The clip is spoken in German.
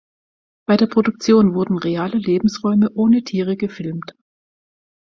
Bei der Produktion wurden reale Lebensräume ohne Tiere gefilmt.